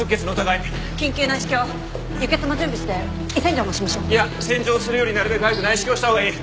いや洗浄するよりなるべく早く内視鏡したほうがいい。